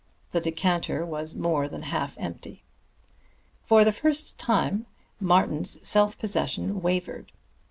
The decanter was more than half empty. For the first time Martin's self possession wavered.